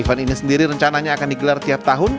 event ini sendiri rencananya akan digelar tiap tahun